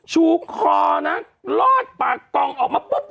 ชูคอนะลอดปากกล่องออกมาปุ๊บ